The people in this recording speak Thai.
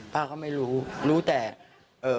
ป้าก็ไม่รู้รู้แต่